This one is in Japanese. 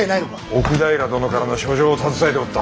奥平殿からの書状を携えておった。